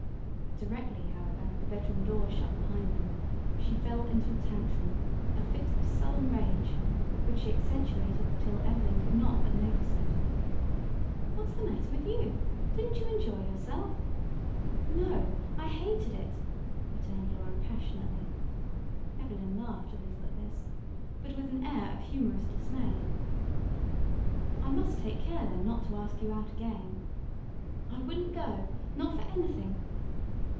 Directly, however, the bedroom door shut behind them, she fell into a tantrum, a fit of sullen rage, which she accentuated till Evelyn could not but notice it. "What's the matter with you? Didn't you enjoy yourself?" "No, I hated it," returned Laura passionately. Evelyn laughed a little at this, but with an air of humorous dismay. "I must take care, then, not to ask you out again." "I wouldn't go. Not for anything!"